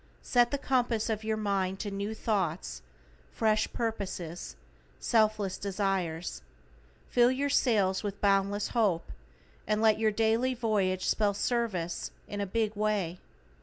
Set the compass of your Mind to new thoughts, fresh purposes, selfless desires, fill your sails with boundless hope, and let your daily voyage spell SERVICE in a big way.